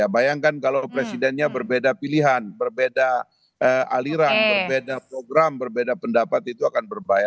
bayangkan kalau presidennya berbeda pilihan berbeda aliran berbeda program berbeda pendapat itu akan berbahaya